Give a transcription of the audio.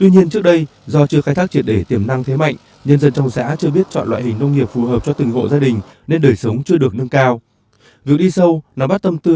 nhiều thần tài còn phát lộc cho khách du lịch người dân địa phương để lấy may chúc làm ăn phát tài